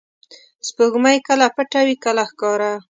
• سپوږمۍ کله پټه وي، کله ښکاره.